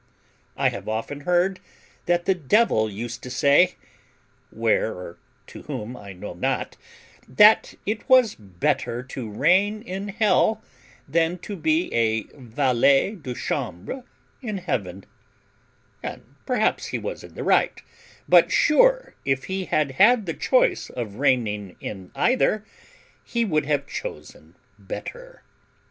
I have often heard that the devil used to say, where or to whom I know not, that it was better to reign in Hell than to be a valet de chambre in Heaven, and perhaps he was in the right; but sure, if he had had the choice of reigning in either, he would have chosen better.